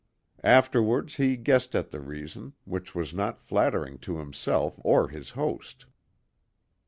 Afterwards he guessed at the reason, which was not flattering to himself or his host.